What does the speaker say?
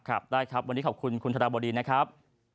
ครับได้ครับวันนี้ขอบคุณคุณธนบดีนะครับ